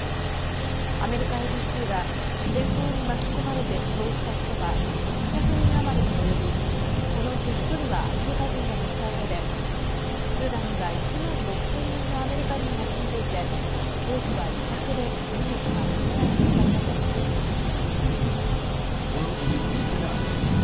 アメリカＡＢＣは戦闘に巻き込まれて死亡した人は６００人余りにおよびこのうち１人はアメリカ人だとしたうえでスーダンには１万６０００人のアメリカ人が住んでいて多くは自宅で身動きが取れない状態だと伝えています。